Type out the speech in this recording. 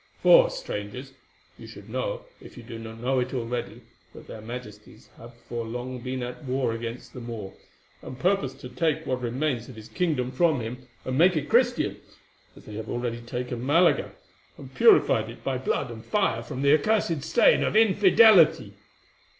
For, strangers, you should know, if you do not know it already, that their Majesties have for long been at war against the Moor, and purpose to take what remains of his kingdom from him, and make it Christian, as they have already taken Malaga, and purified it by blood and fire from the accursed stain of infidelity."